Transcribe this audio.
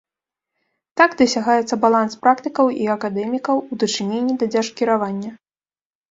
Так дасягаецца баланс практыкаў і акадэмікаў у дачыненні да дзяржкіравання.